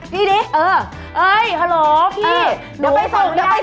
วีดีโอคอเลย